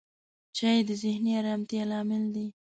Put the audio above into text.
چای د ذهني آرامتیا لامل دی